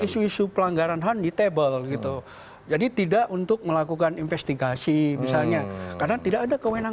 isu isu pelanggaran ham di table gitu jadi tidak untuk melakukan investigasi misalnya karena tidak